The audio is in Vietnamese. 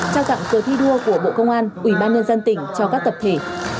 trao tặng cơ thi đua của bộ công an ủy ban nhân dân tỉnh cho các tập thể